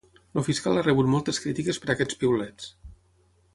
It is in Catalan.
El fiscal ha rebut moltes crítiques per aquests piulets.